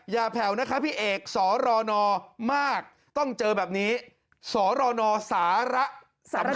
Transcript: แผ่วนะคะพี่เอกสรนมากต้องเจอแบบนี้สรนสาระสำคัญ